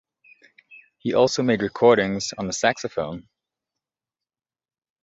He also made recordings on the saxophone.